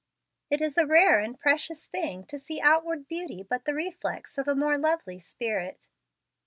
It is a rare and precious thing to see outward beauty but the reflex of a more lovely spirit.